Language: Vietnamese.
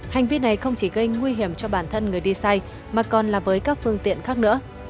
hành vi này không chỉ gây nguy hiểm cho bản thân người đi xa mà còn là với các phương tiện khác nữa